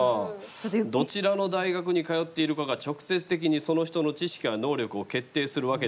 「どちらの大学に通っているかが直接的にその人の知識や能力を決定するわけではありません」。